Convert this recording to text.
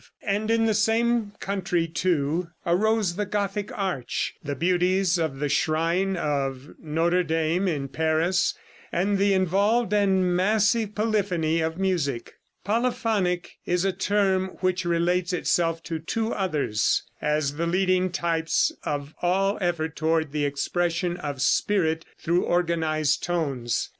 And in the same country, too, arose the Gothic arch, the beauties of the shrine of Notre Dame in Paris, and the involved and massive polyphony of music. Polyphonic is a term which relates itself to two others, as the leading types of all effort toward the expression of spirit through organized tones.